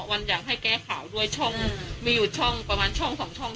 วันอยากให้แก้ข่าวด้วยช่องมีอยู่ช่องประมาณช่อง๒ช่อง